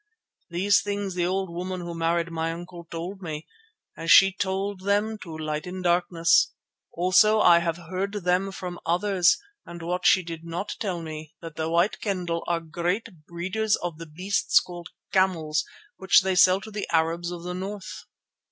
These things the old woman who married my uncle told me, as she told them to Light in Darkness, also I have heard them from others, and what she did not tell me, that the White Kendah are great breeders of the beasts called camels which they sell to the Arabs of the north.